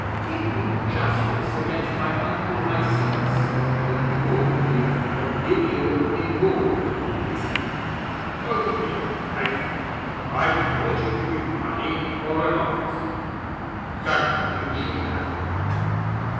'"Give me justice against my uncle Icenus, the Duumvir of Divio in Gaul," he said. '"Only a life? I thought it would be money or an office. Certainly you shall have him.